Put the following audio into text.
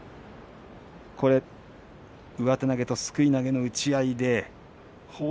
上手投げとすくい投げの投げ合いです。